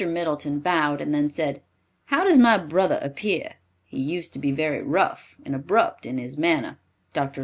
Middleton bowed and then said, "How does my brother appear? He used to be very rough and abrupt in his manner." Dr.